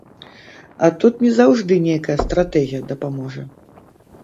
А тут не заўжды нейкая стратэгія дапаможа.